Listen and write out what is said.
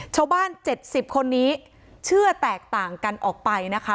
ชาวบ้าน๗๐คนนี้เชื่อแตกต่างกันออกไปนะคะ